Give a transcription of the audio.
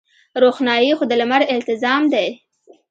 روښنايي خو د لمر التزام دی.